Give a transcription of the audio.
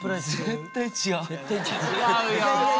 絶対違う！